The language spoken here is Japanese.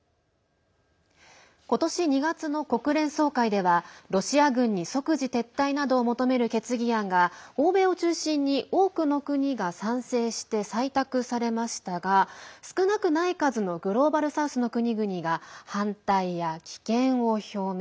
今年２月の国連総会ではロシア軍に即時撤退などを求める決議案が欧米を中心に、多くの国が賛成して採択されましたが少なくない数のグローバル・サウスの国々が反対や棄権を表明。